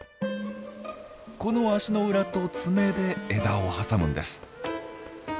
この足の裏と爪で枝を挟むんです。